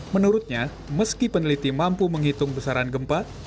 menurutnya meski peneliti mampu menghitung besaran gempa